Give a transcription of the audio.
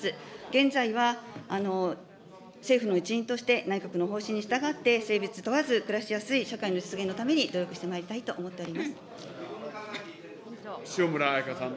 現在は政府の一員として、内閣の方針に従って、性別問わず暮らしやすい社会の実現のために努力してまいりたいと塩村あやかさん。